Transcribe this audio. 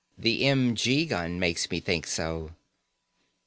"The m.g. gun makes me think so."